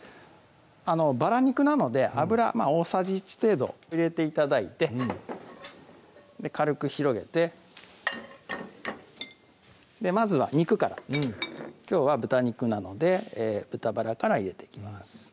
バラ肉なので油大さじ１程度入れて頂いて軽く広げてまずは肉からきょうは豚肉なので豚バラから入れていきます